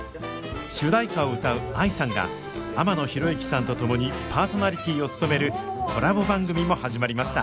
主題歌を歌うＡＩさんが天野ひろゆきさんと共にパーソナリティーを務めるコラボ番組も始まりました。